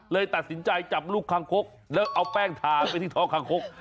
เลยตัดสินใจจับลูกคางคกแล้วเอาแป้งทาไปที่ท้องคางคก